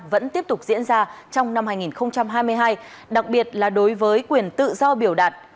vẫn tiếp tục diễn ra trong năm hai nghìn hai mươi hai đặc biệt là đối với quyền tự do biểu đạt